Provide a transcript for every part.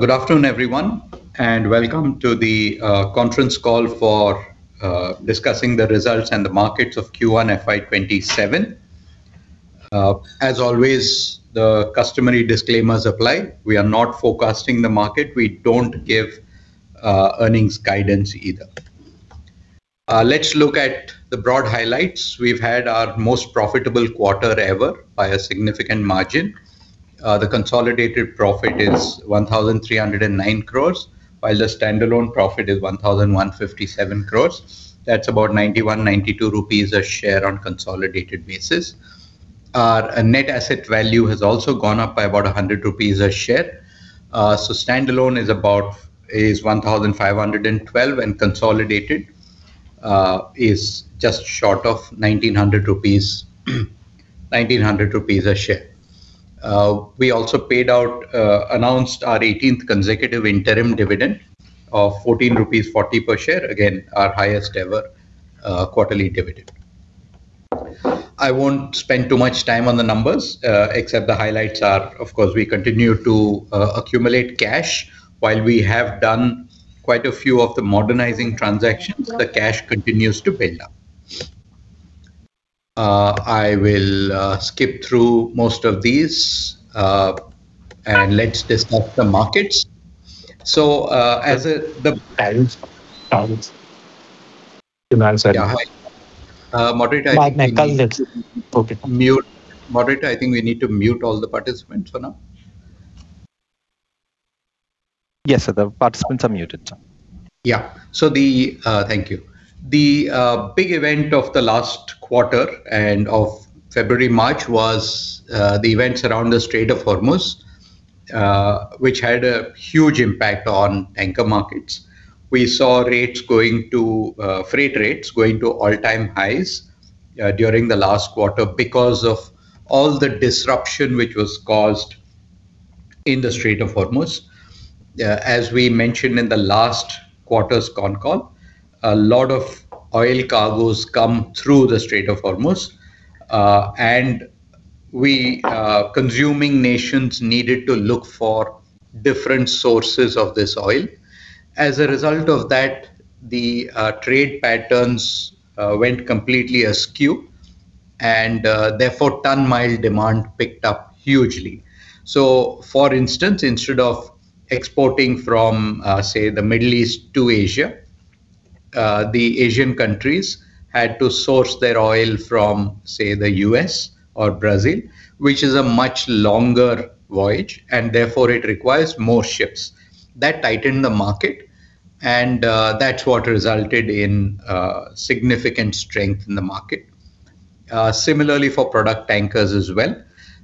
Good afternoon everyone and welcome to the conference call for discussing the results and the markets of Q1 FY 2027. As always, the customary disclaimers apply. We are not forecasting the market. We don't give earnings guidance either. Let's look at the broad highlights. We've had our most profitable quarter ever by a significant margin. The consolidated profit is 1,309 crore while the standalone profit is 1,157 crore. That's about 91 rupees- 92 rupees a share on consolidated basis. Our net asset value has also gone up by about 100 rupees a share. Standalone is about 1,512 and consolidated is just short of 1,900 rupees. 1,900 rupees a share. We also announced our 18th consecutive interim dividend of 14.40 rupees per share, again our highest ever quarterly dividend. I won't spend too much time on the numbers except the highlights are, of course, we continue to accumulate cash. While we have done quite a few of the modernizing transactions, the cash continues to build up. I will skip through most of these and let's discuss the markets. Moderator, I think we need to mute all the participants for now. Yes, sir, the participants are muted. Thank you. The big event of the last quarter and of February-March was the events around the Strait of Hormuz, which had a huge impact on tanker markets. We saw freight rates going to all-time highs during the last quarter because of all the disruption which was caused in the Strait of Hormuz. As we mentioned in the last quarter's concall, a lot of oil cargoes come through the Strait of Hormuz, and we, consuming nations needed to look for different sources of this oil. As a result of that, the trade patterns went completely askew, and therefore ton-mile demand picked up hugely. For instance, instead of exporting from, say, the Middle East to Asia. The Asian countries had to source their oil from, say, the U.S. or Brazil, which is a much longer voyage, and therefore it requires more ships. That tightened the market, and that's what resulted in significant strength in the market. Similarly for product tankers as well.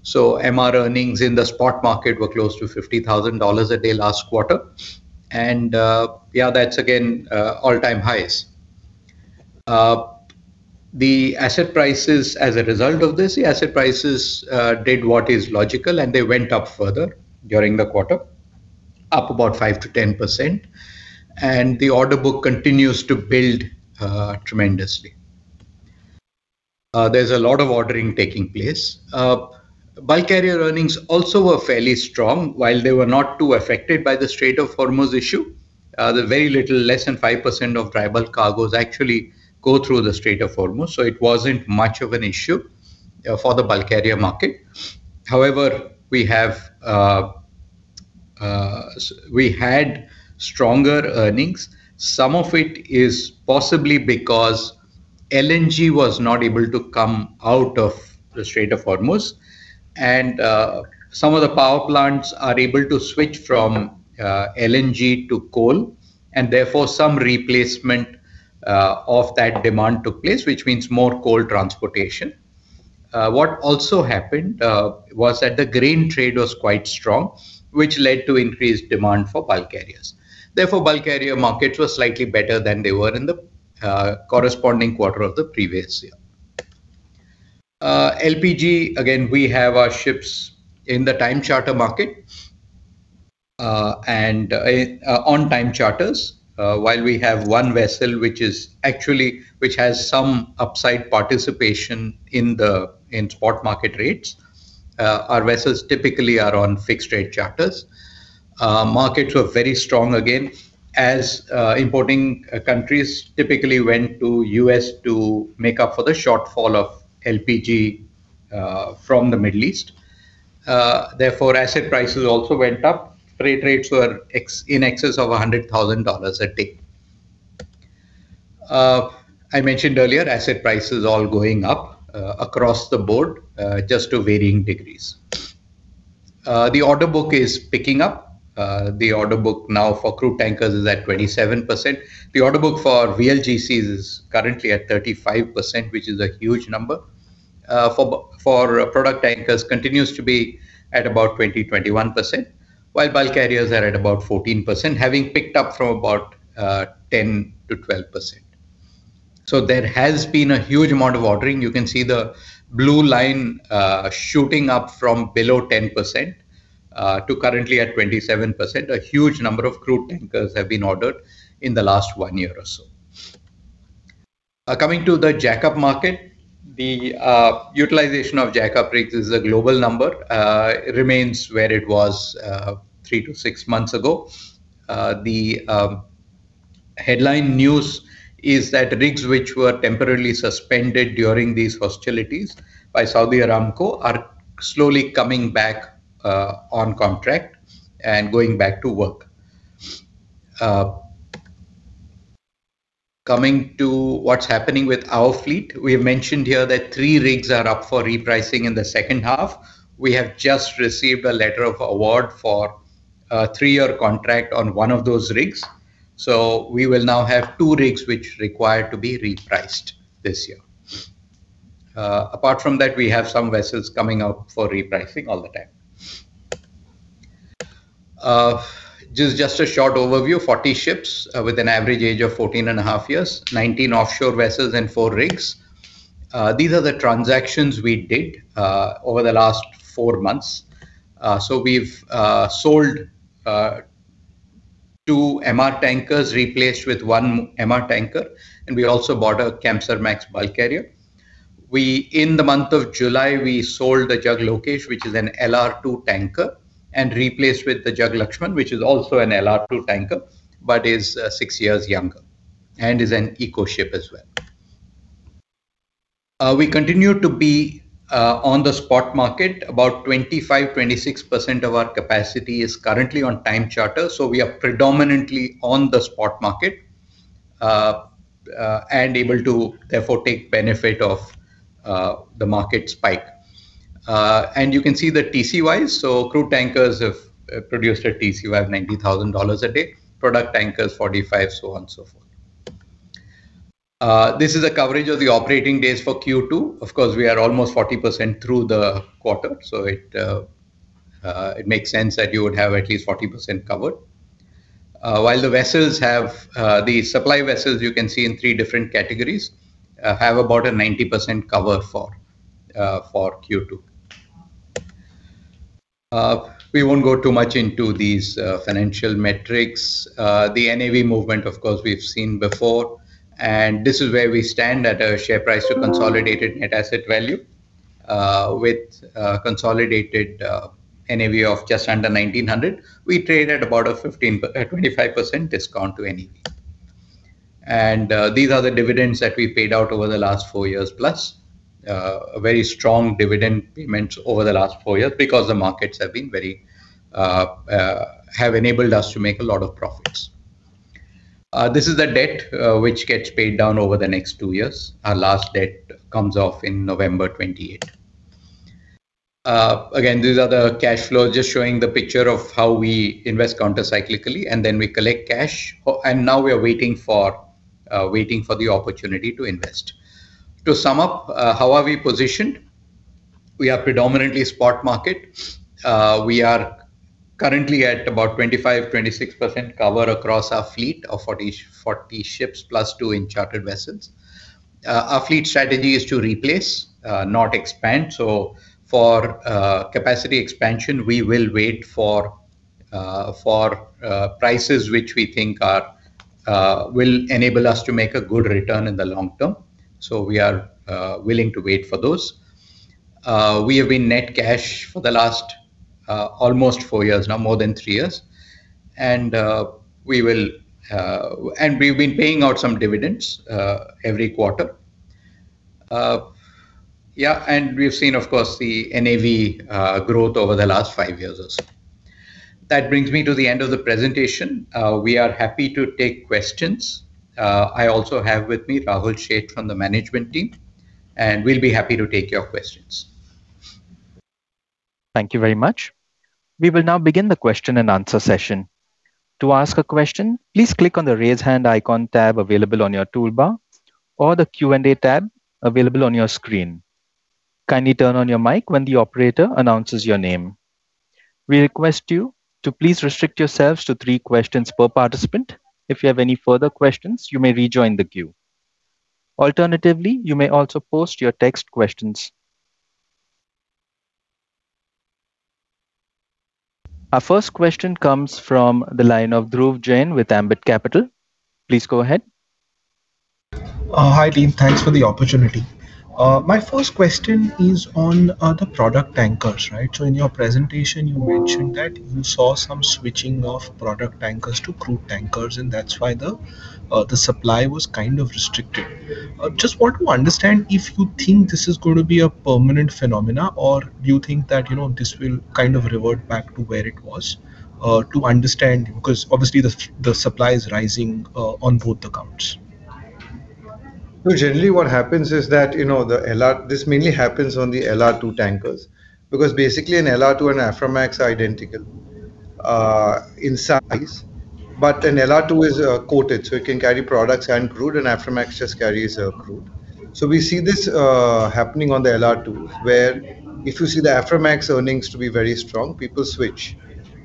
MR earnings in the spot market were close to $50,000 a day last quarter. That's again all-time highs. The asset prices, as a result of this, the asset prices did what is logical and they went up further during the quarter, up about 5%-10%. The order book continues to build tremendously. There's a lot of ordering taking place. Bulk carrier earnings also were fairly strong. While they were not too affected by the Strait of Hormuz issue, very little, less than 5% of dry bulk cargoes actually go through the Strait of Hormuz, so it wasn't much of an issue for the bulk carrier market. However, we had stronger earnings. Some of it is possibly because LNG was not able to come out of the Strait of Hormuz, and some of the power plants are able to switch from LNG to coal, and therefore some replacement of that demand took place, which means more coal transportation. What also happened was that the grain trade was quite strong, which led to increased demand for bulk carriers. Bulk carrier markets were slightly better than they were in the corresponding quarter of the previous year. LPG, again, we have our ships in the time charter market, and on time charters, while we have one vessel which has some upside participation in the spot market rates. Our vessels typically are on fixed-rate charters. Markets were very strong again as importing countries typically went to the U.S. to make up for the shortfall of LPG from the Middle East. Asset prices also went up. Freight rates were in excess of $100,000 a day. I mentioned earlier asset prices all going up across the board, just to varying degrees. The order book is picking up. The order book now for crude tankers is at 27%. The order book for VLGCs is currently at 35%, which is a huge number. For product tankers, continues to be at about 20%-21%, while bulk carriers are at about 14%, having picked up from about 10%-12%. There has been a huge amount of ordering. You can see the blue line shooting up from below 10% to currently at 27%. A huge number of crude tankers have been ordered in the last one year or so. Coming to the jack-up market, the utilization of jack-up rigs is a global number, remains where it was three to six months ago. The headline news is that rigs which were temporarily suspended during these hostilities by Saudi Aramco are slowly coming back on contract and going back to work. Coming to what's happening with our fleet, we have mentioned here that three rigs are up for repricing in the second half. We have just received a letter of award for a three year contract on one of those rigs. We will now have two rigs which require to be repriced this year. Apart from that, we have some vessels coming up for repricing all the time. This is just a short overview: 40 ships with an average age of 14.5 years, 19 offshore vessels and four rigs. These are the transactions we did over the last four months. We've sold two MR tankers, replaced with one MR tanker, and we also bought a Kamsarmax Bulk Carrier. We, in the month of July, we sold the Jag Lokesh, which is an LR2 tanker, and replaced with the Jag Laxman, which is also an LR2 tanker but is six years younger. Is an eco-ship as well. We continue to be on the spot market. About 25%-26% of our capacity is currently on time charter. We are predominantly on the spot market and able to therefore take benefit of the market spike. You can see the TCYs. Crude tankers have produced a TCY of [$90,000] a day. Product tankers [$45], so on, so forth. This is a coverage of the operating days for Q2. Of course, we are almost 40% through the quarter, it makes sense that you would have at least 40% covered. While the vessels have, the supply vessels, you can see in three different categories, have about a 90% cover for Q2. We won't go too much into these financial metrics. The NAV movement, of course, we've seen before, and this is where we stand at a share price to consolidated net asset value with consolidated NAV of just under 1,900. We trade at about a 15%-25% discount to NAV. These are the dividends that we paid out over the last four years plus. Very strong dividend payments over the last four years because the markets have been very, have enabled us to make a lot of profits. This is the debt which gets paid down over the next two years. Our last debt comes off in November 2028. These are the cash flows just showing the picture of how we invest counter-cyclically and then we collect cash. Now we are waiting for the opportunity to invest. To sum up, how are we positioned? We are predominantly spot market. We are currently at about 25%-26% cover across our fleet of 40 ships +2 in chartered vessels. Our fleet strategy is to replace, not expand. For capacity expansion, we will wait for prices which we think will enable us to make a good return in the long term. We are willing to wait for those. We have been net cash for the last almost four years now, more than three years, we will, and we've been paying out some dividends every quarter. We've seen, of course, the NAV growth over the last five years or so. That brings me to the end of the presentation. We are happy to take questions. I also have with me Rahul Sheth from the management team, and we'll be happy to take your questions. Thank you very much. We will now begin the question-and-answer session. To ask a question, please click on the raise hand icon tab available on your toolbar or the Q&A tab available on your screen. Kindly turn on your mic when the operator announces your name. We request you to please restrict yourselves to three questions per participant. If you have any further questions, you may rejoin the queue. Alternatively, you may also post your text questions. Our first question comes from the line of Dhruv Jain with Ambit Capital. Please go ahead. Hi, Dean. Thanks for the opportunity. My first question is on the product tankers, right? In your presentation, you mentioned that you saw some switching of product tankers to crude tankers, and that's why the supply was kind of restricted. Just want to understand if you think this is going to be a permanent phenomenon, or do you think that, you know, this will kind of revert back to where it was? To understand, because obviously the supply is rising on both accounts. Generally what happens is that, you know, this mainly happens on the LR2 tankers because basically an LR2 and Aframax are identical in size. An LR2 is coated so it can carry products and crude, and Aframax just carries crude. We see this happening on the LR2 where if you see the Aframax earnings to be very strong, people switch.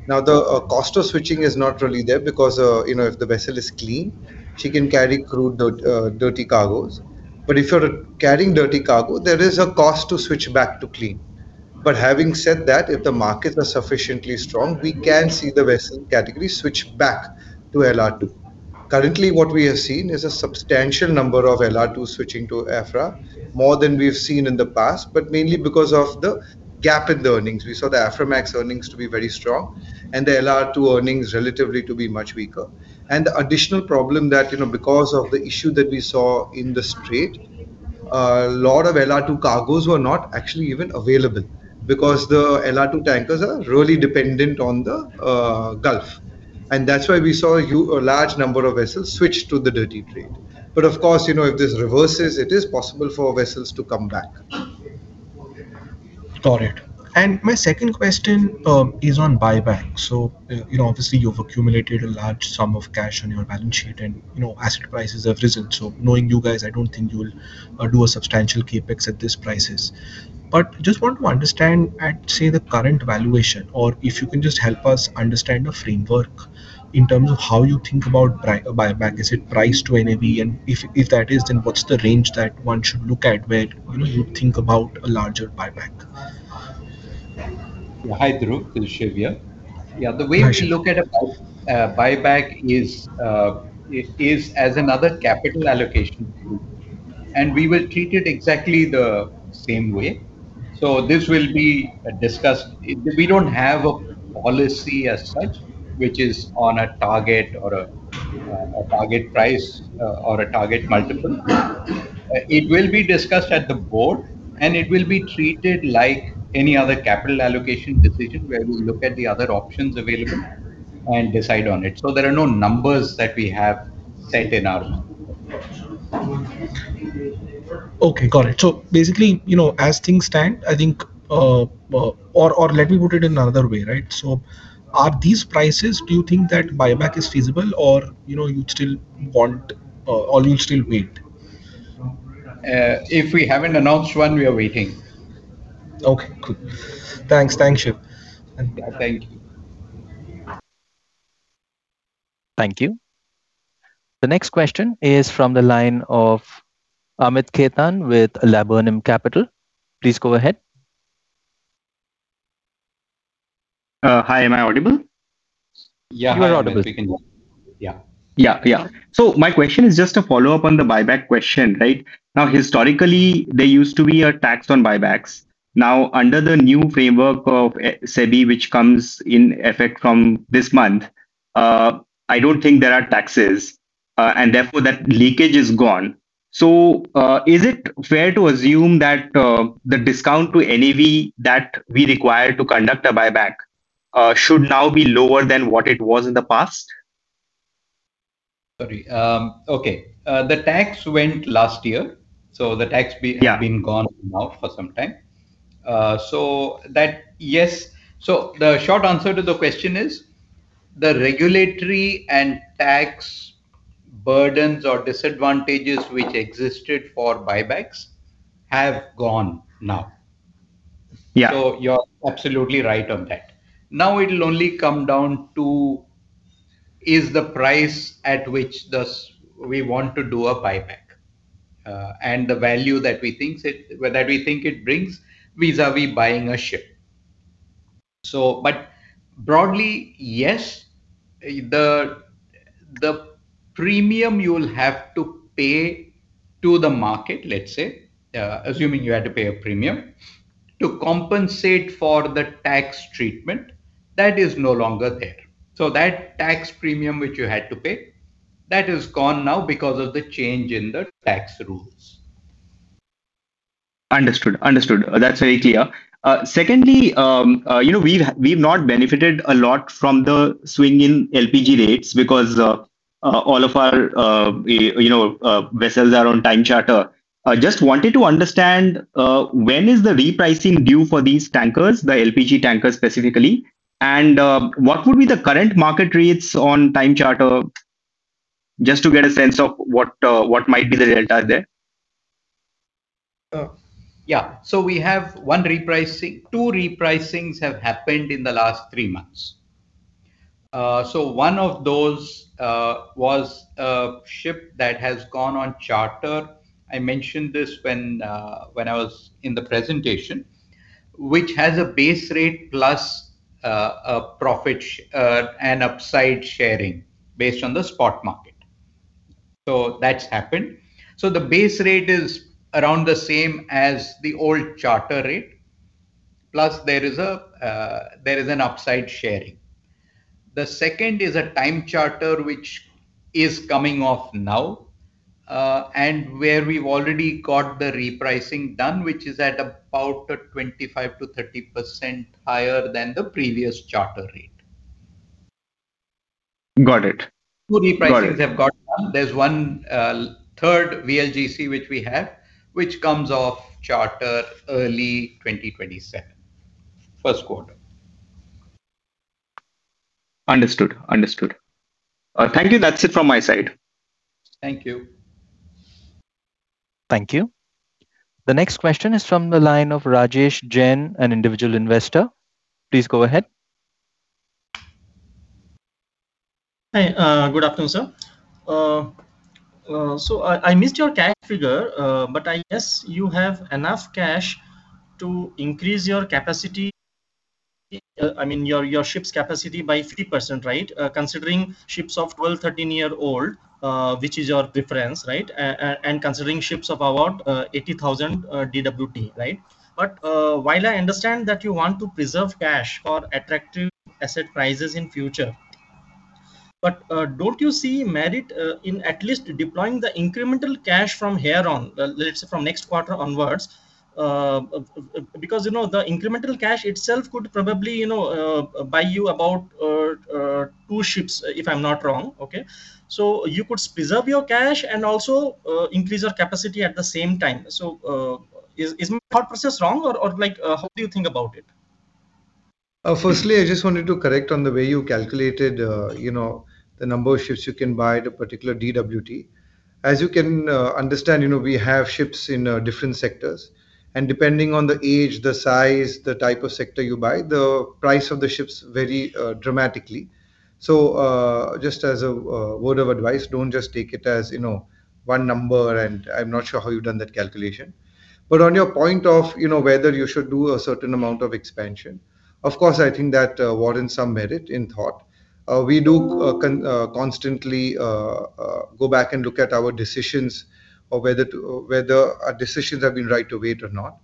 The cost of switching is not really there because, you know, if the vessel is clean, she can carry crude, dirty cargoes. If you're carrying dirty cargo, there is a cost to switch back to clean. Having said that, if the markets are sufficiently strong, we can see the vessel category switch back to LR2. Currently, what we have seen is a substantial number of LR2 switching to Aframax, more than we've seen in the past, but mainly because of the gap in the earnings. We saw the Aframax earnings to be very strong. The LR2 earnings relatively to be much weaker. The additional problem that, you know, because of the issue that we saw in the strait, a lot of LR2 cargoes were not actually even available because the LR2 tankers are really dependent on the Gulf. That's why we saw a large number of vessels switch to the dirty trade. Of course, you know, if this reverses, it is possible for vessels to come back. Got it. My second question is on buyback. You know, obviously you've accumulated a large sum of cash on your balance sheet. You know, asset prices have risen. Knowing you guys, I don't think you will do a substantial CapEx at these prices. Just want to understand, at say the current valuation, or if you can just help us understand the framework in terms of how you think about buyback, is it price to NAV? If that is, then what's the range that one should look at where you think about a larger buyback? Hi, this is Shiv here. Yeah, the way we look at a buyback is, it is as another capital allocation. We will treat it exactly the same way. This will be discussed. We don't have a policy as such which is on a target or a target price. A target multiple. It will be discussed at the Board. It will be treated like any other capital allocation decision where we look at the other options available and decide on it. There are no numbers that we have set in our mind. Okay, got it. Basically, you know, as things stand, I think, or let me put it in another way, right? Are these prices, do you think that buyback is feasible or, you know, you still want or you still wait? If we haven't announced one, we are waiting. Okay, thanks. Thanks, Shiv. Thank you. The next question is from the line of Amit Khetan with Laburnum Capital. Please go ahead. Hi, am I audible? Yeah, you are audible. Yeah, yeah. My question is just a follow-up on the buyback question, right? Historically there used to be a tax on buybacks. Under the new framework of SEBI, which comes in effect from this month, I don't think there are taxes and therefore that leakage is gone. Is it fair to assume that the discount to NAV that we require to conduct a buyback should now be lower than what it was in the past? Sorry, okay, the tax went last year, the tax has been gone now for some time. Yes, the short answer to the question is the regulatory and tax burdens or disadvantages which existed for buybacks have gone now. Yeah. You're absolutely right on that. It will only come down to is the price at which we want to do a buyback, and the value that we think whether we think it brings vis-à-vis buying a ship. Broadly, yes, the premium you will have to pay to the market, let's say, assuming you had to pay a premium to compensate for the tax treatment, that is no longer there. That tax premium which you had to pay, that is gone now because of the change in the tax rules. Understood, understood. That's very clear. Secondly, you know, we've not benefited a lot from the swing in LPG rates because all of our vessels are on time charter. I just wanted to understand when is the repricing due for these tankers, the LPG tankers specifically, and what would be the current market rates on time charter, just to get a sense of what might be the delta there? Yeah, we have two repricings have happened in the last three months. One of those was a ship that has gone on charter. I mentioned this when I was in the presentation, which has a base rate plus a profit and upside sharing based on the spot market. That's happened. The base rate is around the same as the old charter rate. Plus there is an upside sharing. The second is a time charter which is coming off now and where we've already got the repricing done, which is at about 25%-30% higher than the previous charter rate. Got it. Two repricings have gone on. There's 1/3 VLGC which we have which comes off charter early 2027, first quarter Understood, understood. Thank you, that's it from my side. Thank you. Thank you. The next question is from the line of Rajesh Jain, an individual investor. Please go ahead. Hi, good afternoon, sir. I missed your cash figure, but I guess you have enough cash to increase your capacity, I mean your ship's capacity by 50%, right? Considering ships of 12-13-year-old, which is your preference, right? Considering ships of about 80,000 DWT, right? While I understand that you want to preserve cash for attractive asset prices in future, don't you see merit in at least deploying the incremental cash from here on, let's say from next quarter onwards? You know, the incremental cash itself could probably, you know, buy you about two ships if I'm not wrong. You could preserve your cash and also increase your capacity at the same time. Is my thought process wrong, or like, how do you think about it? I just wanted to correct on the way you calculated, you know, the number of ships you can buy at a particular DWT. As you can understand, you know, we have ships in different sectors, and depending on the age, the size, the type of sector you buy, the price of the ships vary dramatically. Just as a word of advice, don't just take it as, you know, one number, and I am not sure how you've done that calculation. On your point of whether you should do a certain amount of expansion, of course, I think that warrants some merit in thought. We do constantly go back and look at our decisions or whether our decisions have been right to wait or not.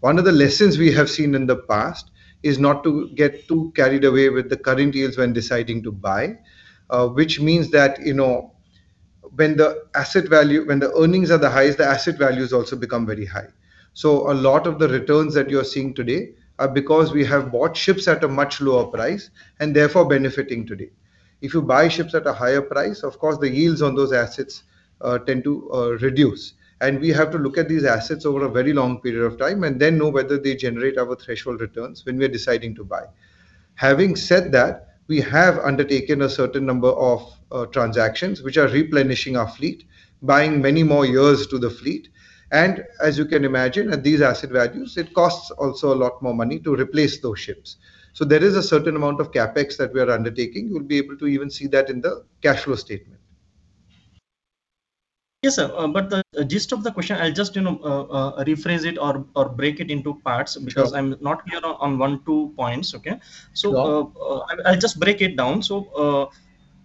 One of the lessons we have seen in the past is not to get too carried away with the current yields when deciding to buy, which means that when the earnings are the highest, the asset values also become very high. A lot of the returns that you are seeing today are because we have bought ships at a much lower price and therefore benefiting today. If you buy ships at a higher price, of course the yields on those assets tend to reduce. We have to look at these assets over a very long period of time and then know whether they generate our threshold returns when we are deciding to buy. Having said that, we have undertaken a certain number of transactions which are replenishing our fleet, buying many more years to the fleet. As you can imagine, at these asset values, it costs also a lot more money to replace those ships. There is a certain amount of CapEx that we are undertaking. You will be able to even see that in the cash flow statement. Yes, sir, the gist of the question, I'll just, you know, rephrase it or break it into parts because I am not clear on one, two points. Okay. I'll just break it down.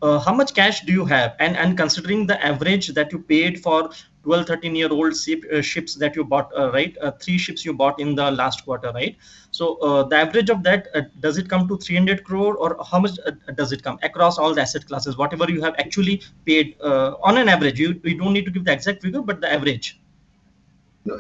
How much cash do you have? Considering the average that you paid for 12-13-year-old ships that you bought, right, three ships you bought in the last quarter, right? The average of that, does it come to 300 crore, or how much does it come across all the asset classes? Whatever you have actually paid on an average, you don't need to give the exact figure, but the average.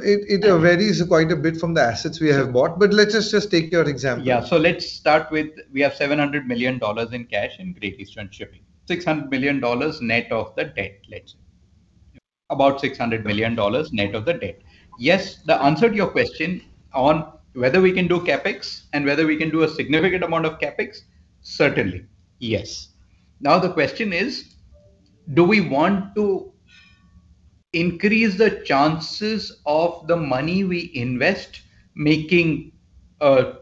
It varies quite a bit from the assets we have bought, let's just take your example. Let's start with we have $700 million in cash. In Great Eastern Shipping Company, $600 million net of the debt. Let's say about $600 million net of the debt. Yes, the answer to your question on whether we can do CapEx and whether we can do a significant amount of CapEx, certainly yes. The question is, do we want to increase the chances of the money we invest making a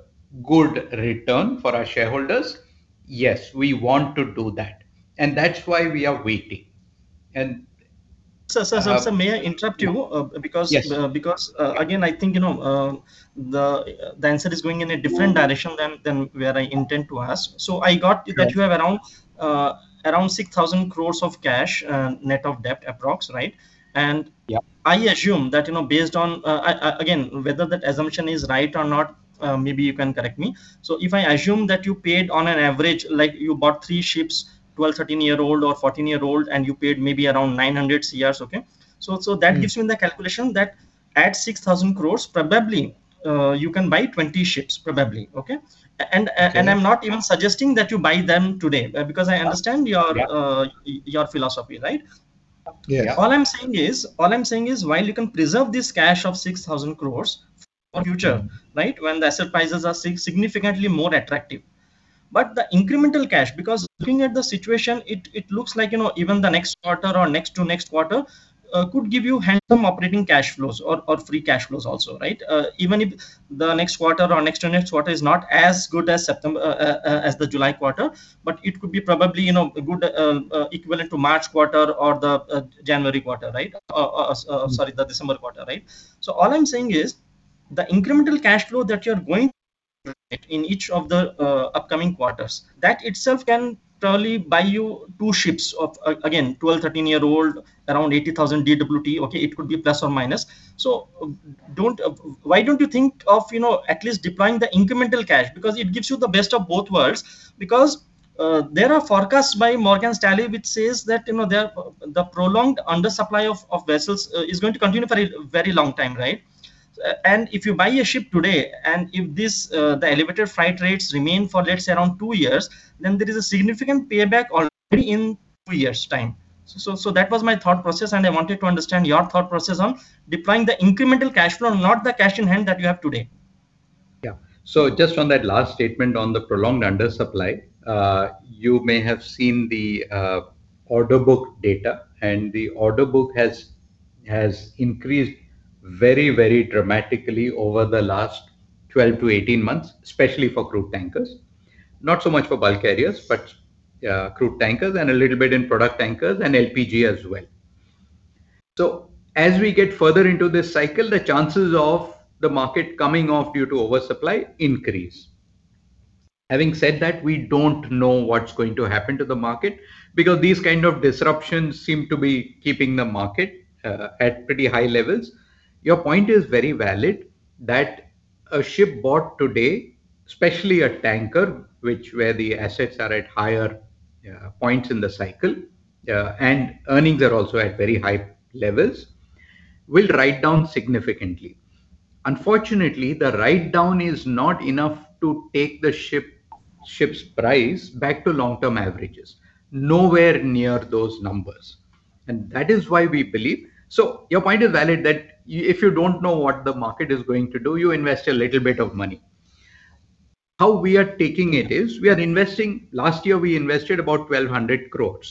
good return for our shareholders, yes, we want to do that. That's why we are waiting. Sir, may I interrupt you? Because again, I think, you know, the answer is going in a different direction than where I intend to ask. I got that you have around 6,000 crore of cash, net of debt, approx, right? I assume that, you know, based on again, whether that assumption is right or not Maybe you can correct me. If I assume that you paid on an average, like you bought three ships, 12, 13-year-old or 14-year-old, and you paid maybe around 900 [inaudible] okay? That gives me the calculation that at 6,000 crore, probably, you can buy 20 ships, probably, okay? I'm not even suggesting that you buy them today because I understand your philosophy, right? Yeah. All I'm saying is, while you can preserve this cash of 6,000 crore for future, right, when the asset prices are significantly more attractive. The incremental cash, because looking at the situation, it looks like, you know, even the next quarter or next to next quarter could give you handsome operating cash flows or free cash flows also, right? Even if the next quarter or next to next quarter is not as good as the July quarter, but it could be probably, you know, a good equivalent to March quarter or the December quarter, right? All I'm saying is the incremental cash flow that you're going to get in each of the upcoming quarters, that itself can probably buy you two ships of, again, 12-13-year-old, around 80,000 DWT. Okay, it could be plus or minus. Why don't you think of, you know, at least deploying the incremental cash? It gives you the best of both worlds. There are forecasts by Morgan Stanley which says that, you know, there the prolonged undersupply of vessels is going to continue for a very long time, right? If you buy a ship today and if this the elevated freight rates remain for, let's say, around two years, then there is a significant payback already in two years' time. That was my thought process, and I wanted to understand your thought process on deploying the incremental cash flow, not the cash in hand that you have today. Yeah, just on that last statement on the prolonged undersupply You may have seen the order book data, and the order book has increased very, very dramatically over the last 12-18 months, especially for crude tankers. Not so much for bulk carriers, but crude tankers, and a little bit in product tankers and LPG as well. As we get further into this cycle, the chances of the market coming off due to oversupply increase. Having said that, we don't know what's going to happen to the market because these kind of disruptions seem to be keeping the market at pretty high levels. Your point is very valid that a ship bought today, especially a tanker, where the assets are at higher points in the cycle, and earnings are also at very high levels, will write down significantly. Unfortunately, the write-down is not enough to take the ship's price back to long-term averages, nowhere near those numbers. That is why we believe your point is valid that if you don't know what the market is going to do, you invest a little bit of money. How we are taking it is we are investing last year we invested about 1,200 crore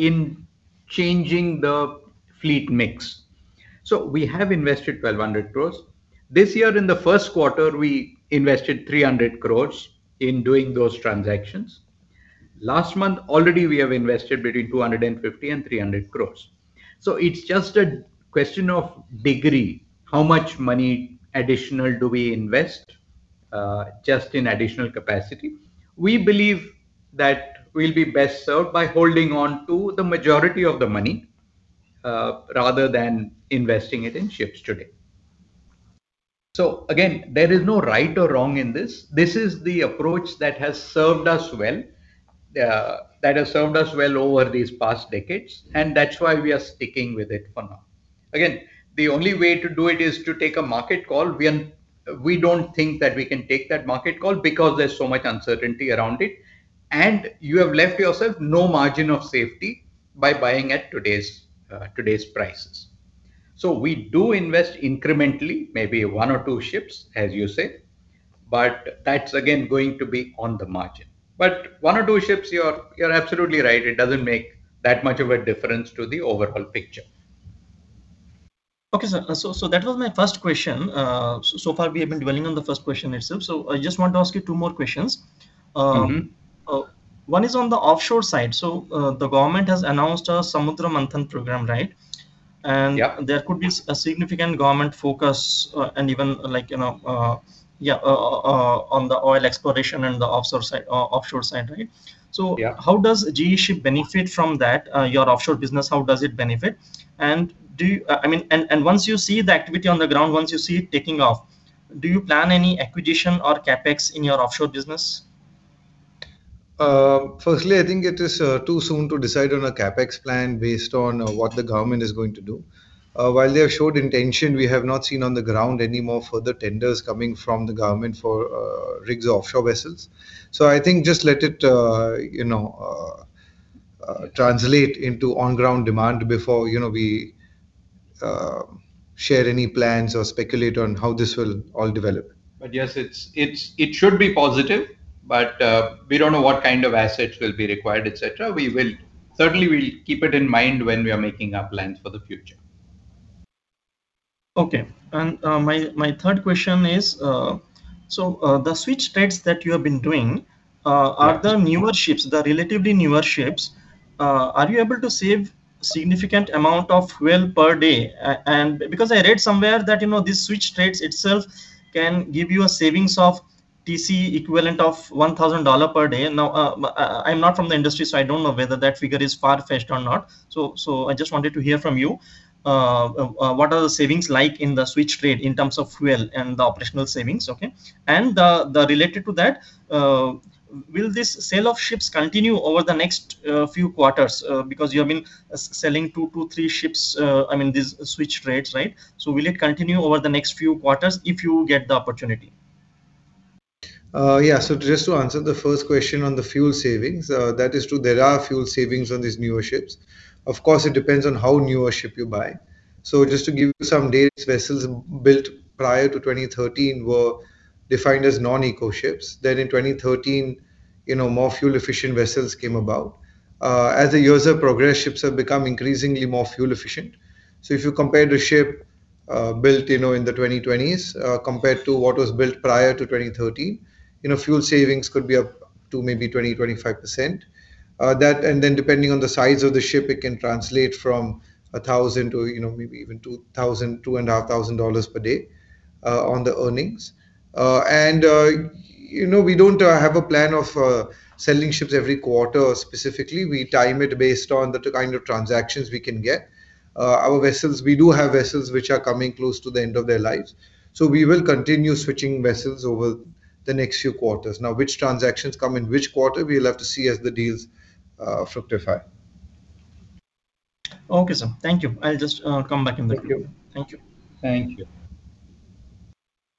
in changing the fleet mix. We have invested 1,200 crore. This year in the first quarter, we invested 300 crore in doing those transactions. Last month already we have invested between 250 crore and 300 crore. It's just a question of degree, how much money additional do we invest just in additional capacity. We believe that we'll be best served by holding on to the majority of the money rather than investing it in ships today. Again, there is no right or wrong in this. This is the approach that has served us well, that has served us well over these past decades, and that's why we are sticking with it for now. Again, the only way to do it is to take a market call. We don't think that we can take that market call because there's so much uncertainty around it, and you have left yourself no margin of safety by buying at today's prices. We do invest incrementally, maybe one or two ships, as you say, but that's again going to be on the margin. But one or two ships, you're absolutely right, it doesn't make that much of a difference to the overall picture. That was my first question. So far we have been dwelling on the first question itself, I just want to ask you two more questions. One is on the offshore side. The government has announced a Samudra Manthan program, right? There could be a significant government focus and even like, you know, on the oil exploration and the offshore side, right? How does GE Shipping benefit from that, your offshore business? How does it benefit? And once you see the activity on the ground, once you see it taking off, do you plan any acquisition or CapEx in your offshore business? Firstly, I think it is too soon to decide on a CapEx plan based on what the government is going to do. While they have showed intention, we have not seen on the ground any more further tenders coming from the government for rigs or offshore vessels. I think just let it, you know, translate into on-ground demand before, you know, we share any plans or speculate on how this will all develop. Yes, it's, it should be positive, but we don't know what kind of assets will be required, etc. We will certainly, we'll keep it in mind when we are making our plans for the future. Okay, my third question is, so the switch trades that you have been doing are the newer ships, the relatively newer ships, are you able to save significant amount of fuel per day? Because I read somewhere that, you know, this switch trades itself can give you a savings of TCE equivalent of $1,000 per day. I'm not from the industry, so I don't know whether that figure is far-fetched or not. I just wanted to hear from you, what are the savings like in the switch trade in terms of fuel and the operational savings? Okay. Related to that, will this sale of ships continue over the next few quarters? Because you have been selling two to three ships, I mean, these switch trades, right? Will it continue over the next few quarters if you get the opportunity? Just to answer the first question on the fuel savings, that is true, there are fuel savings on these newer ships. Of course, it depends on how newer ship you buy. Just to give you some dates, vessels built prior to 2013 were defined as non-eco ships. In 2013, you know, more fuel-efficient vessels came about. As the years have progressed, ships have become increasingly more fuel-efficient. If you compare the ship built, you know, in the 2020s compared to what was built prior to 2013, you know, fuel savings could be up to maybe 20%-25%. That, depending on the size of the ship, it can translate from $1,000 to, you know, maybe even $2,000, $2,500 per day on the earnings. You know, we don't have a plan of selling ships every quarter specifically. We time it based on the kind of transactions we can get. We do have vessels which are coming close to the end of their lives, we will continue switching vessels over the next few quarters. Which transactions come in which quarter, we'll have to see as the deals fructify. Okay, sir. Thank you. Thank you. Thank you.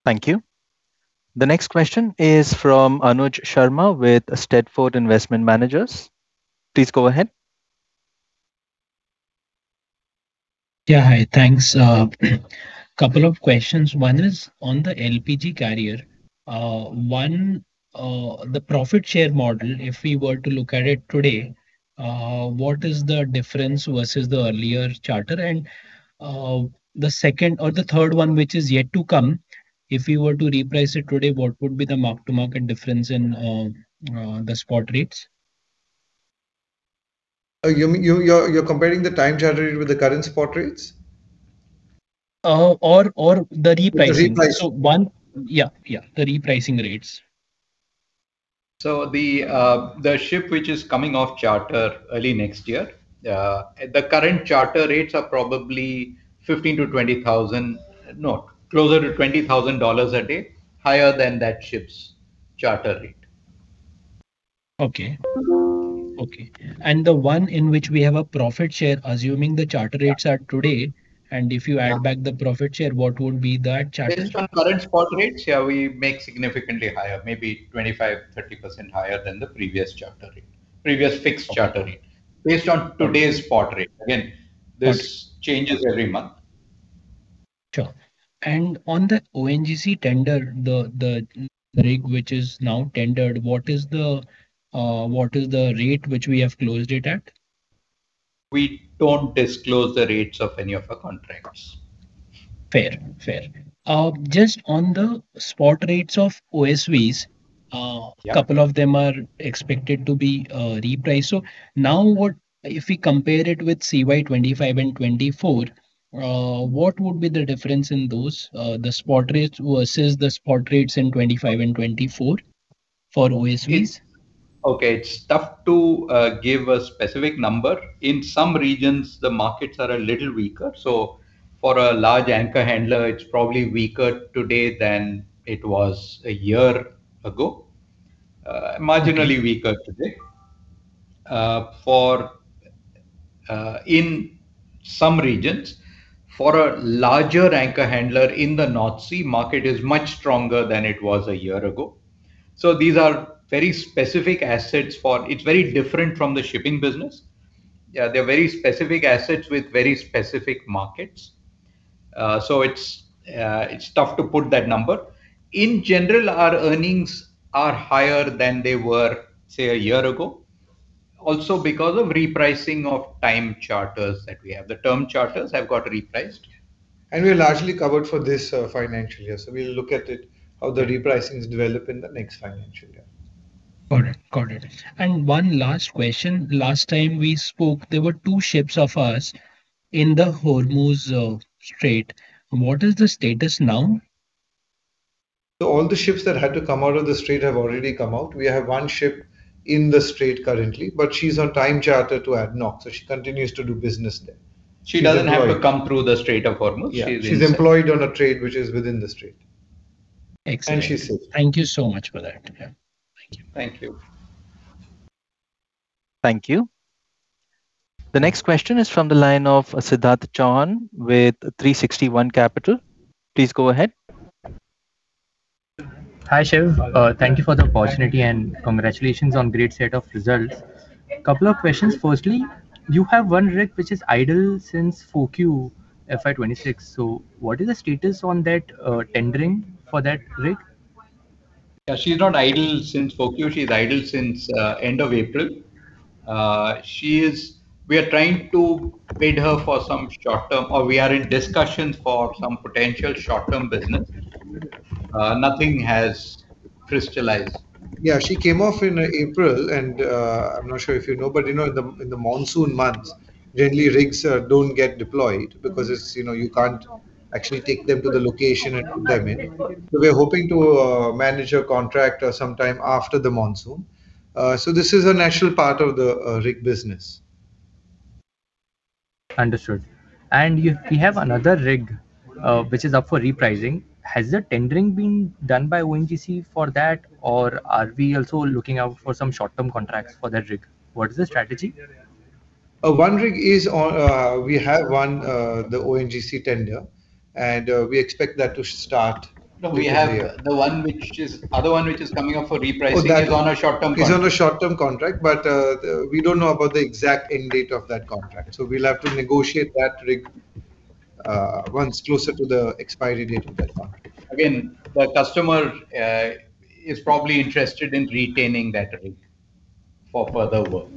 Thank you. The next question is from Anuj Sharma with SteadFort Investment Managers. Please go ahead. Yeah, hi, thanks. A couple of questions. One is on the LPG carrier. One. The profit share model, if we were to look at it today, what is the difference versus the earlier charter? The second or the third one which is yet to come, if we were to reprice it today, what would be the mark-to-market difference in the spot rates? You mean you're comparing the time charter rate with the current spot rates? The repricing. Repricing. Yeah, the repricing rates. The ship which is coming off charter early next year, the current charter rates are probably $15,000 to $20,000, no, closer to $20,000 a day, higher than that ship's charter rate. Okay, okay. The one in which we have a profit share, assuming the charter rates are today. If you add back the profit share, what would be that? Based on current spot rates, yeah, we make significantly higher, maybe 25%-30% higher than the previous charter rate, previous fixed charter rate, based on today's spot rate. Again, this changes every month. Sure. On the ONGC tender, the rig which is now tendered, what is the rate which we have closed it at? We don't disclose the rates of any of our contracts. Fair, fair. Just on the spot rates of OSVs, a couple of them are expected to be repriced. What if we compare it with CY 2025 and 2024? What would be the difference in those, the spot rates versus the spot rates in 2025 and 2024? For OSVs? Okay, it's tough to give a specific number. In some regions, the markets are a little weaker. For a large anchor handler, it's probably weaker today than it was a year ago, marginally weaker today. For— In some regions, for a larger anchor handler in the North Sea, market is much stronger than it was a year ago. These are very specific assets, it's very different from the shipping business. They're very specific assets with very specific markets. It's tough to put that number. In general, our earnings are higher than they were, say, a year ago, also because of repricing of time charters that we have. The term charters have got repriced. And we're largely covered for this financial year, we'll look at it how the repricings develop in the next financial year. Got it, got it. One last question. Last time we spoke, there were two ships of ours in the Hormuz Strait. What is the status now? All the ships that had to come out of the Strait have already come out. We have one ship in the Strait currently, but she's on time charter to ADNOC, she continues to do business there. She doesn't have to come through the Strait of Hormuz. She's employed on a trade which is within industry. Thank you so much for that. Thank you. Thank you. Thank you. The next question is from the line of Siddharth Chauhan with 360 ONE Capital. Please go ahead. Hi Shiv, thank you for the opportunity and congratulations on great set of results. Couple of questions. Firstly, you have one rig which is idle since 4Q FY 2026. What is the status on that tendering for that rig? Yeah, she's not idle since 4Q, she's idle since end of April. We are trying to bid her for some short-term, or we are in discussions for some potential short-term business. Nothing has crystallized. Yeah, she came off in April. I'm not sure if you know, but you know, in the monsoon months, generally rigs don't get deployed because it's, you know, you can't actually take them to the location and put them in. We're hoping to manage a contract sometime after the monsoon. This is a natural part of the rig business. Understood. You have another rig which is up for repricing. Has the tendering been done by ONGC for that, or are we also looking out for some short-term contracts? For that rig? What is the strategy? One rig is on, we have won the ONGC tender and we expect that to start. No, we have the other one which is coming up for repricing is on a short-term contract. It's on a short-term contract, we don't know about the exact end date of that contract. We'll have to negotiate that rig once closer to the expiry date of that contract. Again, the customer is probably interested in retaining that rate for further work.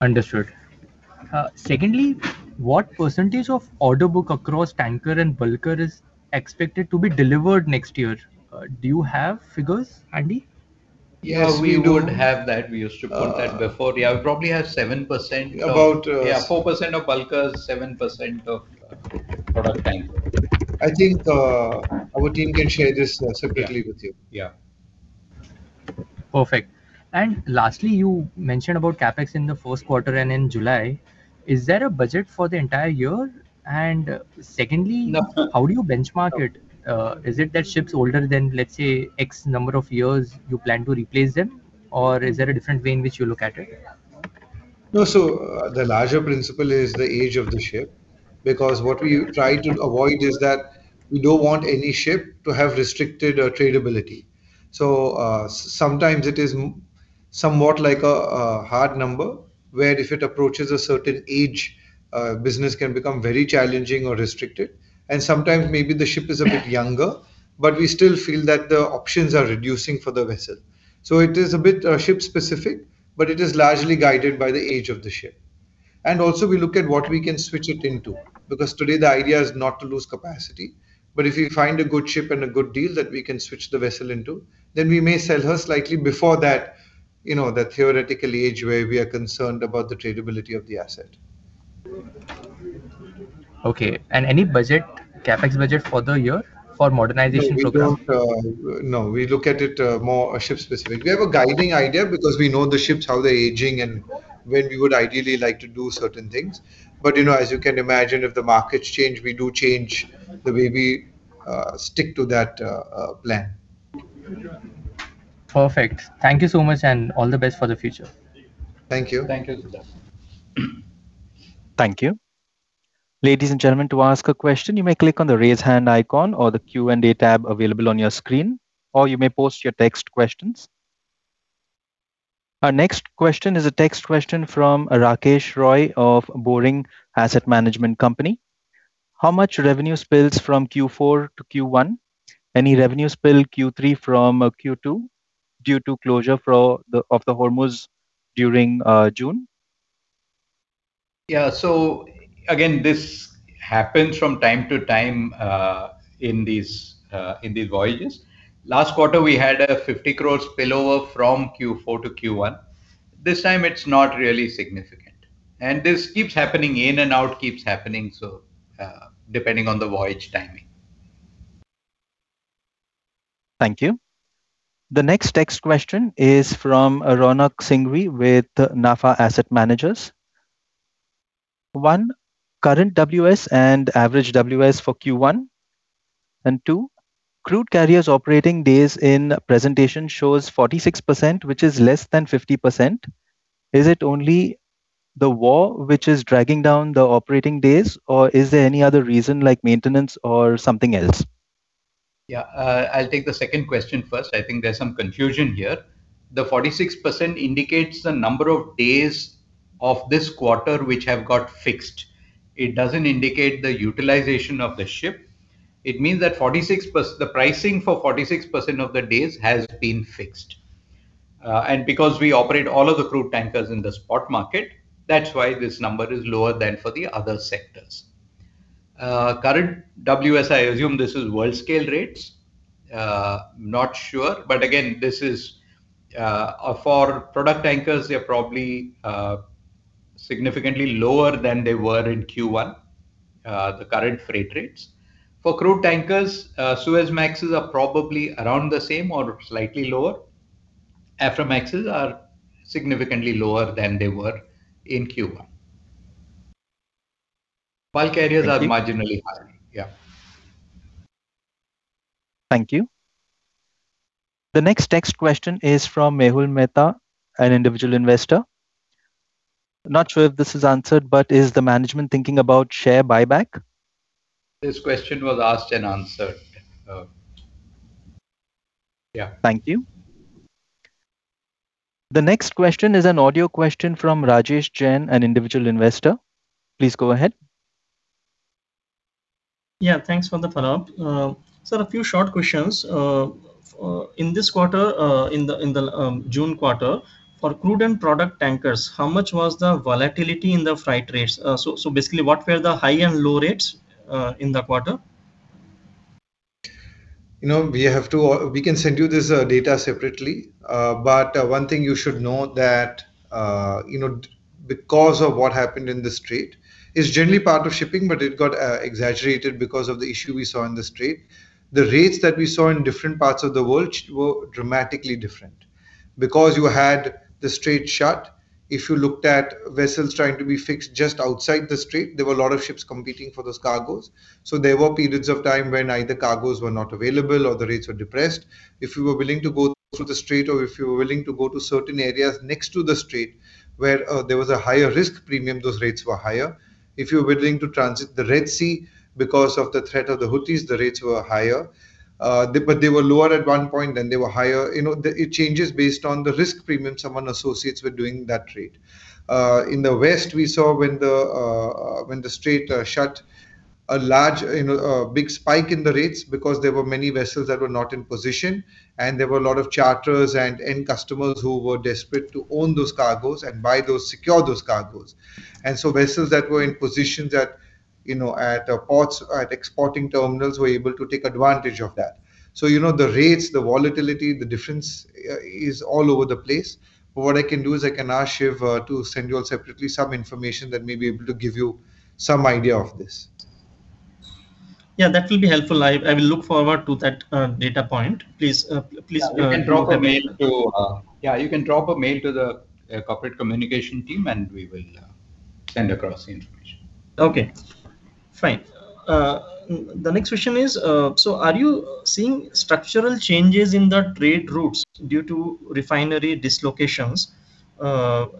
Understood. What percentage of order book across tanker and bulker is expected to be delivered next year? Do you have figures handy? We would have that. We used to put that before. We probably have 7%, about 4% of bulkers, 7% of other tankers. I think our team can share this separately with you. Yeah. Perfect. Lastly, you mentioned about CapEx in the first quarter and in July. Is there a budget for the entire year? Secondly, how do you benchmark it? Is it that ships older than, let's say, X number of years, you plan to replace them? Or is there a different way in which you look at it? The larger principle is the age of the ship, because what we try to avoid is that we don't want any ship to have restricted tradability. Sometimes it is somewhat like a hard number where if it approaches a certain age, business can become very challenging or restricted. Sometimes maybe the ship is a bit younger, but we still feel that the options are reducing for the vessel. It is a bit ship-specific, but it is largely guided by the age of the ship. Also we look at what we can switch it into, because today the idea is not to lose capacity. If you find a good ship and a good deal that we can switch the vessel into, then we may sell her slightly before that, you know, that theoretical age where we are concerned about the tradability of the asset. Any budget, CapEx budget for the year? For modernization program? No. We look at it more ship-specific. We have a guiding idea because we know the ships, how they're aging, and when we would ideally like to do certain things. You know, as you can imagine, if the markets change, we do change the way we stick to that plan. Perfect. Thank you so much, and all the best for the future. Thank you. Thank you. Thank you. Ladies and gentlemen, to ask a question, you may click on the raise hand icon or the Q&A tab available on your screen, or you may post your text questions. Our next question is a text question from Rakesh Roy of Boring Asset Management Company. How much revenue spills from Q4-Q1? Any revenue spill Q3 from Q2 due to closure of the Hormuz during June? Yeah, again, this happens from time to time in these voyages. Last quarter we had a 50 crore spillover from Q4-Q1. This time it's not really significant. This keeps happening, in and out keeps happening, depending on the voyage timing. Thank you. The next text question is from Ronak Singhvi with NAFA Asset Managers. One. Current WS and average WS for Q1. Two. Crude carriers operating days in presentation shows 46%, which is less than 50%. Is it only the war which is dragging down the operating days, or is there any other reason like maintenance or something else? Yeah, I'll take the second question first. I think there's some confusion here. The 46% indicates the number of days of this quarter which have got fixed. It doesn't indicate the utilization of the ship. It means that 46%— the pricing for 46% of the days has been fixed. Because we operate all of the crude tankers in the spot market, that's why this number is lower than for the other sector. Current WS— I assume this is world scale rates, not sure— again, this is for product tankers, they are probably significantly lower than they were in Q1, the current freight rates. For crude tankers, Suezmaxes are probably around the same or slightly lower. Aframaxes are significantly lower than they were in Q1 26/27. Bulk carriers are marginally higher. Thank you. The next text question is from Mehul Mehta, an individual investor. Not sure if this is answered, is the management thinking about share buyback? This question was asked and answered. Thank you. The next question is an audio question from Rajesh Jain, an individual investor. Please go ahead. Yeah, thanks for the follow-up. A few short questions. In this quarter, in the June quarter, for crude and product tankers, how much was the volatility in the freight rates? Basically, what were the high and low rates in the quarter? You know, we can send you this data separately, but one thing you should know that, you know, because of what happened in the Strait is generally part of shipping, but it got exaggerated because of the issue we saw in the Strait. The rates that we saw in different part of the [world] was dramatically different, because Strait shot, if you looked at vessels trying to be fixed just outside the Strait, there were a lot of ships competing for those cargoes. There were periods of time when either cargoes were not available or the rates were depressed. If you were willing to go through the Strait, or if you were willing to go to certain areas next to the Strait where there was a higher risk premium, those rates were higher. If you were willing to transit the Red Sea because of the threat of the Houthis, the rates were higher, but they were lower at one point than they were higher. You know, it changes based on the risk premium someone associates with doing that trade. In the West, we saw when the Strait shut a large, you know, a big spike in the rates because there were many vessels that were not in position, and there were a lot of charters and end customers who were desperate to own those cargoes and secure those cargoes. Vessels that were in positions at, you know, at ports, at exporting terminals, were able to take advantage of that. You know, the rates, the volatility, the difference is all over the place. What I can do is I can ask Shiv to send you all separately some information that may be able to give you some idea of this. Yeah, that will be helpful. I will look forward to that data point. Please, yeah, you can drop a mail to the corporate communication team and we will send across the information. Okay, fine. The next question is, are you seeing structural changes in the trade routes due to refinery dislocations, and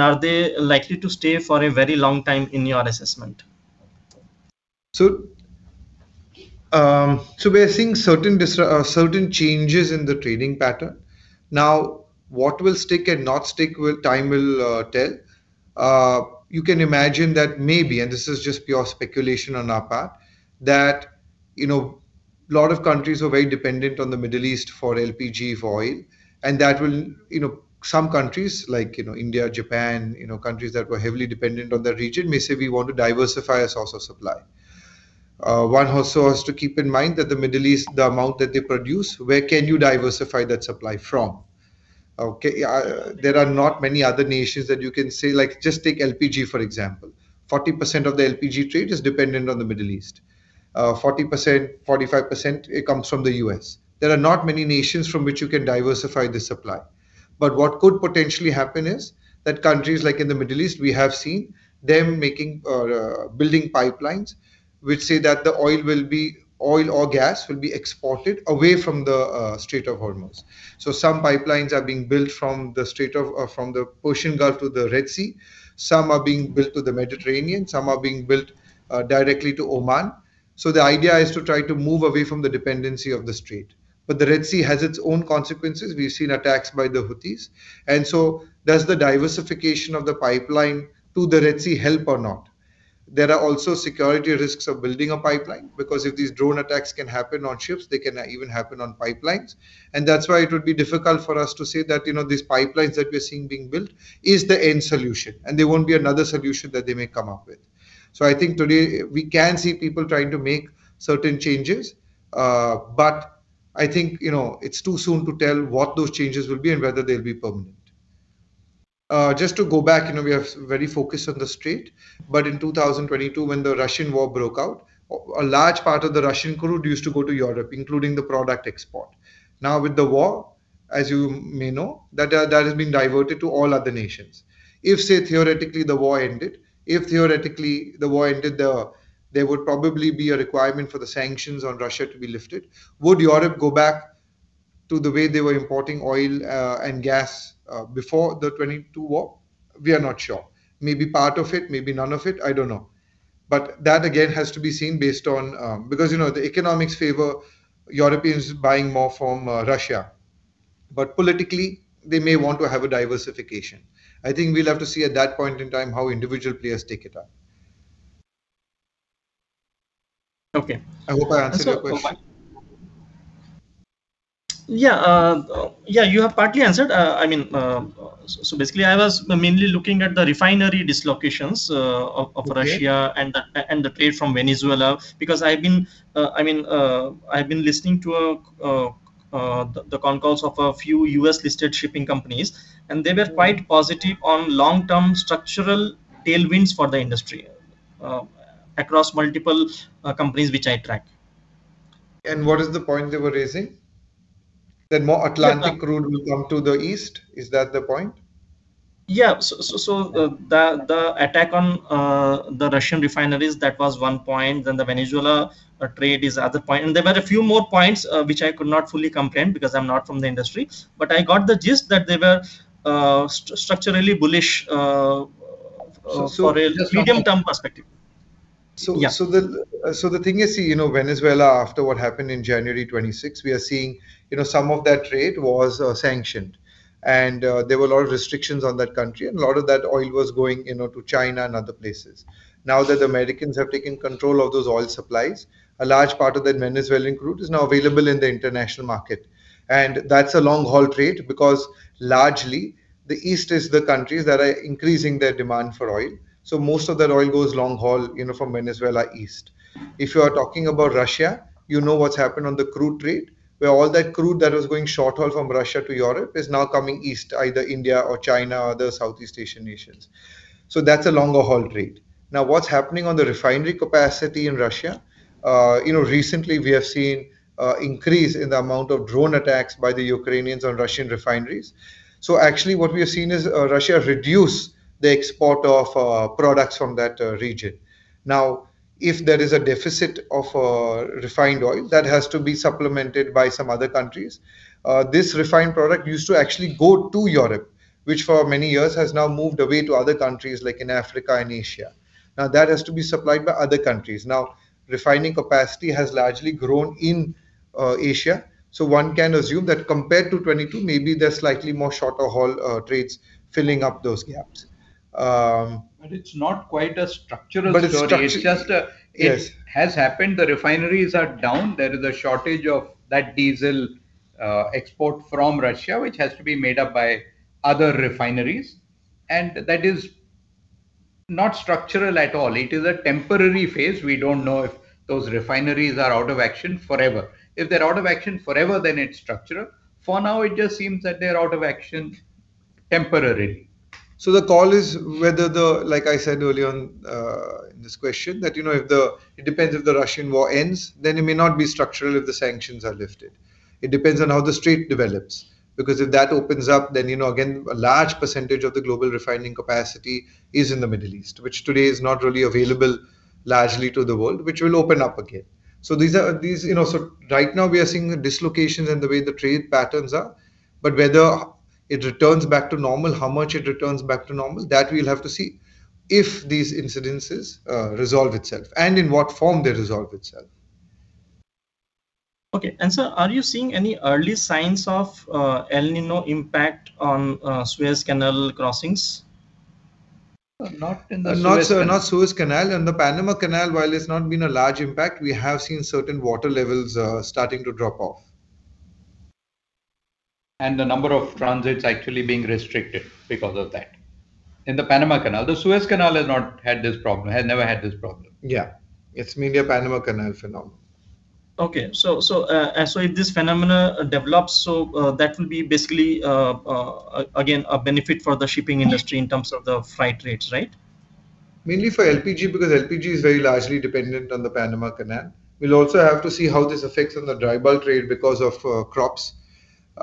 are they likely to stay for a very long time in your assessment? We are seeing certain changes in the trading pattern. What will stick and not stick, time will tell. You can imagine that maybe, and this is just pure speculation on our part, that, you know, a lot of countries are very dependent on the Middle East for LPG, for oil. That will, you know, some countries like, you know, India, Japan, you know, countries that were heavily dependent on the region may say we want to diversify a source of supply. One also has to keep in mind that the Middle East, the amount that they produce, where can you diversify that supply from? Okay, there are not many other nations that you can say, like just take LPG for example, 40% of the LPG trade is dependent on the Middle East. 40%, 45%, it comes from the U.S. There are not many nations from which you can diversify the supply. What could potentially happen is that countries like in the Middle East, we have seen them making, building pipelines which say that the oil or gas will be exported away from the Strait of Hormuz. Some pipelines are being built from the Persian Gulf to the Red Sea, some are being built to the Mediterranean, some are being built directly to Oman. The idea is to try to move away from the dependency of the Strait, but the Red Sea has its own consequences. We've seen attacks by the Houthis, does the diversification of the pipeline to the Red Sea help or not? There are also security risks of building a pipeline because if these drone attacks can happen on ships, they can even happen on pipelines. That's why it would be difficult for us to say that, you know, these pipelines that we're seeing being built is the end solution and there won't be another solution that they may come up with. I think today we can see people trying to make certain changes, but I think, you know, it's too soon to tell what those changes will be and whether they'll be permanent. Just to go back, you know, we have very focused on the Strait, in 2022 when the Russian war broke out, a large part of the Russian crude used to go to Europe, including the product export. With the war, as you may know, that has been diverted to all other nations. If, say, theoretically the war ended, there would probably be a requirement for the sanctions on Russia to be lifted. Would Europe go back to the way they were importing oil and gas before the 2022 war? We are not sure. Maybe part of it, maybe none of it, I don't know. That again has to be seen based on because, you know, the economics favor Europeans buying more from Russia. Politically, they may want to have a diversification. I think we'll have to see at that point in time how individual players take it up. Okay. I hope I answered your question. Yeah, yeah, you have partly answered. I mean, basically, I was mainly looking at the refinery dislocations of Russia and the trade from Venezuela because I mean, I've been listening to the con calls of a few U.S.-listed shipping companies, and they were quite positive on long-term structural tailwinds for the industry across multiple companies which I track. What is the point they were raising? That more Atlantic crude will come to the east? Is that the point? The attack on the Russian refineries, that was one point. The Venezuela trade is other point. There were a few more points which I could not fully comprehend because I'm not from the industry, but I got the gist that they were structurally bullish for a medium-term perspective. The thing is, see, you know, Venezuela, after what happened in January 26th, we are seeing, you know, some of that trade was sanctioned and there were a lot of restrictions on that country, and a lot of that oil was going, you know, to China and other places. That Americans have taken control of those oil supplies, a large part of that Venezuelan crude is now available in the international market. That's a long-haul trade because largely the East is the countries that are increasing their demand for oil. Most of that oil goes long-haul, you know, from Venezuela East. If you are talking about Russia, you know what's happened on the crude trade, where all that crude that was going short-haul from Russia to Europe is now coming East, either India or China or the Southeast Asian nations. That's a longer haul rate. What's happening on the refinery capacity in Russia? You know, recently we have seen increase in the amount of drone attacks by the Ukrainians on Russian refineries. Actually what we have seen is Russia reduce the export of products from that region. If there is a deficit of refined oil, that has to be supplemented by some other countries. This refined product used to actually go to Europe which for many years has now moved away to other countries like in Africa and Asia. That has to be supplied by other countries. Refining capacity has largely grown in Asia, one can assume that compared to 2022, maybe there's slightly more shorter haul trades filling up those gaps. It's not quite a structural story. It just has happened. The refineries are down, there is a shortage of that diesel export from Russia, which has to be made up by other refineries. That is not structural at all. It is a temporary phase. We don't know if those refineries are out of action forever. If they're out of action forever, then it's structural. For now, it just seems that they're out of action temporarily. The call is whether, like I said earlier on in this question, it depends if the Russian war ends, then it may not be structural if the sanctions are lifted. Affected. It depends on how the Strait develops, because if that opens up, then again, a large percentage of the global refining capacity is in the Middle East, which today is not really available largely to the world, which will open up again. These, right now we are seeing the dislocations and the way the trade patterns are, whether it returns back to normal, how much it returns back to normal, that we'll have to see if these incidences resolve itself and in what form they resolve itself. Sir, are you seeing any early signs of El Niño impact on Suez Canal crossings? Not in not Suez Canal. The Panama Canal, while it's not been a large impact, we have seen certain water levels starting to drop off. And the number of transits actually being restricted because of that in the Panama Canal. The Suez Canal has not had this problem, has never had this problem. Yeah, it's mainly a Panama Canal phenomenon. Okay, if this phenomenon develops, that will be basically, again, a benefit for the shipping industry in terms of the freight rates, right? Mainly for LPG because LPG is very largely dependent on the Panama Canal. We'll also have to see how this affects on the dry bulk trade because of crops.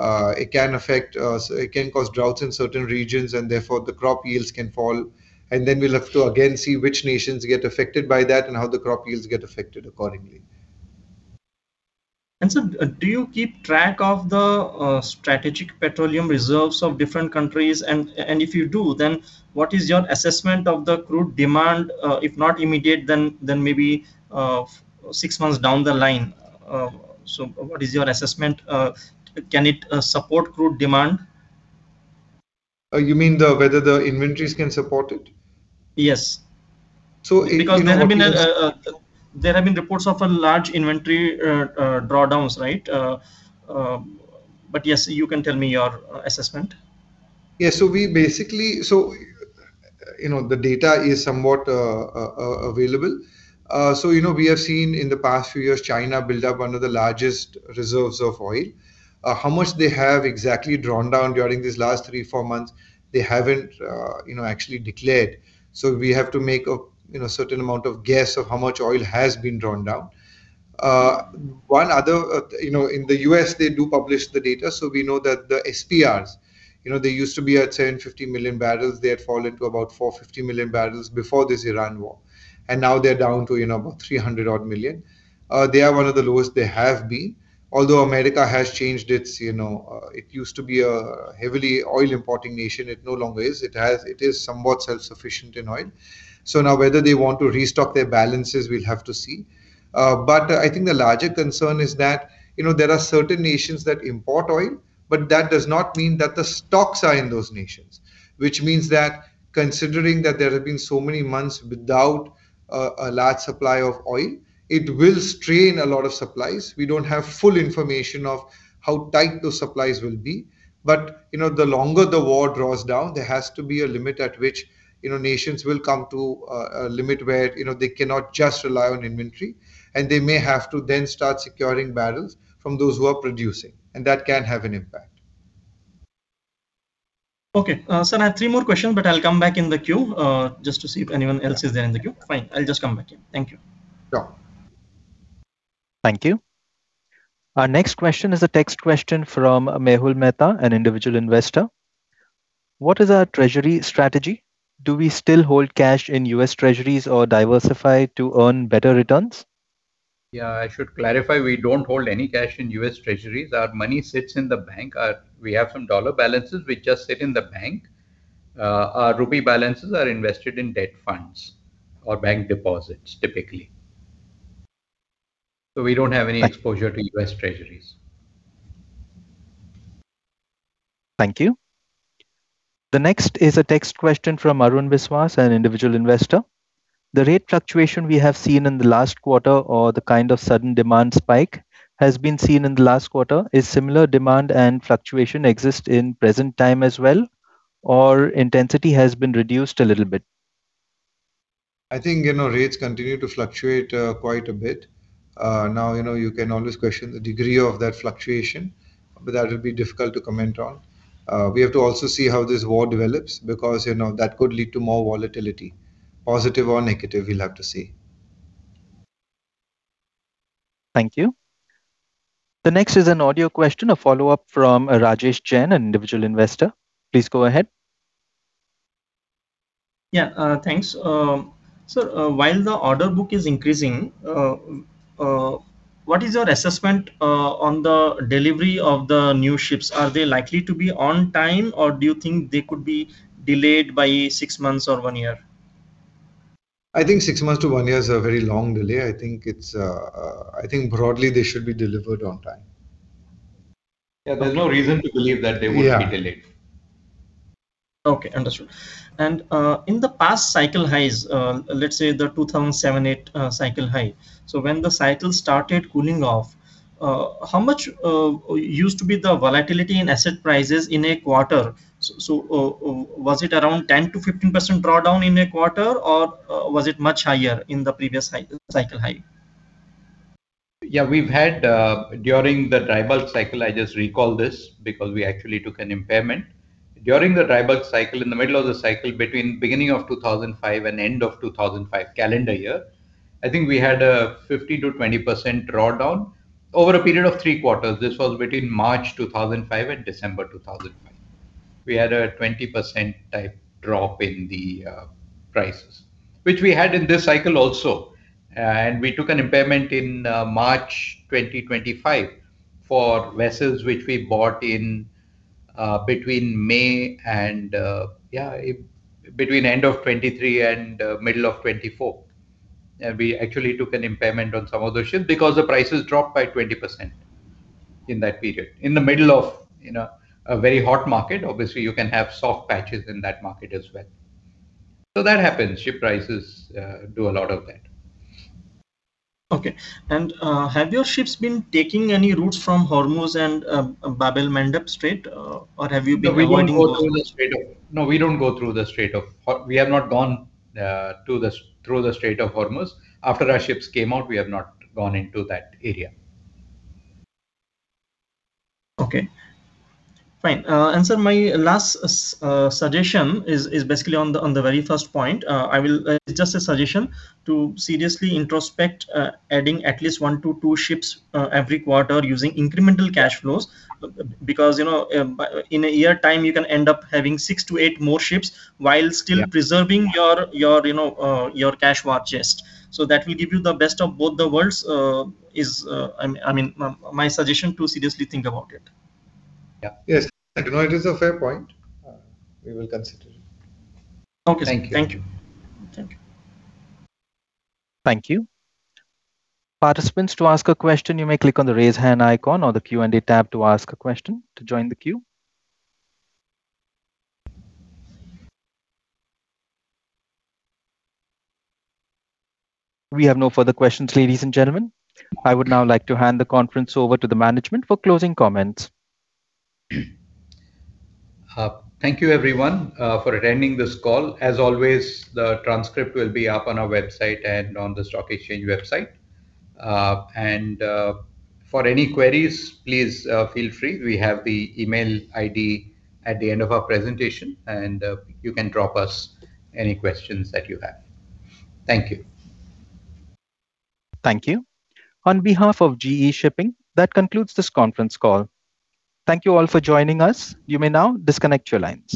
It can affect us, it can cause droughts in certain regions, and therefore the crop yields can fall. Then we'll have to again see which nations get affected by that and how the crop yields get affected accordingly. Do you keep track of the strategic petroleum reserves of different countries? If you do, then what is your assessment of the crude demand? If not immediate, then maybe six months down the line? What is your assessment? Can it support crude demand? You mean whether the inventories can support it? Yes. Because there have been reports of a large inventory drawdowns, right? Yes, you can tell me your assessment. Yeah, we basically, you know, the data is somewhat available. You know, we have seen in the past few years China build up one of the largest reserves of oil. How much they have exactly drawn down during these last three, four months, they haven't, you know, actually declared. We have to make a, you know, certain amount of guess of how much oil has been drawn down. One other, you know, in the U.S. they do publish the data, so we know that the SPRs, you know, they used to be at 750 million barrels, they had fallen to about 450 million barrels before this Iran war, and now they're down to, you know, about 300-odd million. They are one of the lowest they have been, although America has changed its, you know, it used to be a heavily oil-importing nation. It no longer is. It is somewhat self-sufficient in oil. Now whether they want to restock their balances, we'll have to see. I think the larger concern is that, you know, there are certain nations that import oil, but that does not mean that the stocks are in those nations, which means that considering that there have been so many months without a large supply of oil. It will strain a lot of supplies. We don't have full information of how tight those supplies will be, but, you know, the longer the war draws down, there has to be a limit at which, you know, nations will come to a limit where, you know, they cannot just rely on inventory, and they may have to then start securing barrels from those who are producing, and that can have an impact. Okay, sir, I have three more questions, I'll come back in the queue, just to see if anyone else is there in the queue. Fine, I'll just come back here. Thank you. Thank you. Our next question is a text question from Mehul Mehta, an individual investor. What is our treasury strategy? Do we still hold cash in U.S. Treasuries or diversify to earn better returns? Yeah, I should clarify, we don't hold any cash in U.S. Treasuries. Our money sits in the bank. We have some dollar balances which just sit in the bank. Our rupee balances are invested in debt funds or bank deposits typically. We don't have any exposure to U.S. Treasuries. Thank you. The next is a text question from Arun Viswas, an individual investor. The rate fluctuation we have seen in the last quarter or the kind of sudden demand spike has been seen in the last quarter. Is similar demand and fluctuation exist in present time as well, or intensity has been reduced a little bit? I think, you know, rates continue to fluctuate quite a bit. Now, you know, you can always question the degree of that fluctuation, but that would be difficult to comment on. We have to also see how this war develops because, you know, that could lead to more volatility, positive or negative, we will have to see. Thank you. The next is an audio question, a follow-up from Rajesh Jain, an individual investor. Please go ahead. Yeah, thanks. While the order book is increasing, what is your assessment on the delivery of the new ships? Are they likely to be on time, or do you think they could be delayed by six months or one year? I think six months to one year is a very long delay. I think it's, I think broadly they should be delivered on time. Yeah, there's no reason to believe that they would be delayed. Okay, understood. In the past cycle highs, let's say the 2007-2008 cycle high, when the cycle started cooling off, how much used to be the volatility in asset prices in a quarter? Was it around 10%-15% drawdown in a quarter, or was it much higher in the previous cycle high? Yeah, we've had, during the dry bulk cycle, I just recall this because we actually took an impairment during the dry bulk cycle, in the middle of the cycle, between beginning of 2005 and end of 2005 calendar year, I think we had a 15%-20% drawdown over a period of three quarters. This was between March 2005 and December 2005. We had a 20% type drop in the prices, which we had in this cycle also. We took an impairment in March 2025 for vessels which we bought in between May and, yeah, between end of 2023 and middle of 2024. We actually took an impairment on some of those ships because the prices dropped by 20%. In that period, in the middle of, you know, a very hot market. Obviously you can have soft patches in that market as well. That happens. Ship prices do a lot of that. Okay. Have your ships been taking any routes from Hormuz and Bab-al-Mandab Strait, or have you been avoiding? No, we don't go through the Strait of Hormuz. After our ships came out, we have not gone into that area. Okay, fine. My last suggestion is basically on the very first point. It's just a suggestion to seriously introspect adding at least one to two ships every quarter using incremental cash flows. You know, in a year time, you can end up having six to eight more ships while still preserving your, you know, your cash war chest. That will give you the best of both the worlds. I mean, my suggestion to seriously think about it. Yes, you know, it is a fair point. We will consider it. Okay, thank you. Thank you. Participants, to ask a question, you may click on the raise hand icon or the Q&A tab to ask a question, to join the queue. We have no further questions, ladies and gentlemen. I would now like to hand the conference over to the management for closing comments. Thank you, everyone, for attending this call. As always, the transcript will be up on our website and on the stock exchange website. For any queries, please feel free. We have the email ID at the end of our presentation, and you can drop us any questions that you have. Thank you. Thank you. On behalf of The Great Eastern Shipping Company, that concludes this conference call. Thank you all for joining us. You may now disconnect your lines.